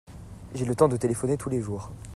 J'ai le temps de téléphoner tous les jours.